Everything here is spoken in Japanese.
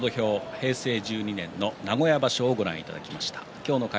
平成１２年の名古屋場所をご覧いただきました。